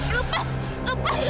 lepas lepaskan aku